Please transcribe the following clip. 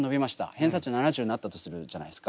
偏差値７０になったとするじゃないですか。